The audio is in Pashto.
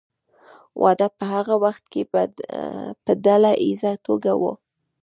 واده په هغه وخت کې په ډله ایزه توګه و.